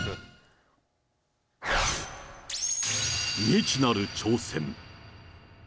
未知なる挑戦。